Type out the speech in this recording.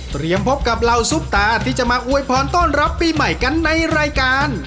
พบกับเหล่าซุปตาที่จะมาอวยพรต้อนรับปีใหม่กันในรายการ